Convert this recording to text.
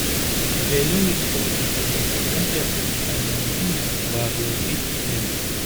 Vėliau istoriniai dokumentai apie Panemunės dvarą ilgai tyli.